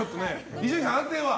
伊集院さん、判定は？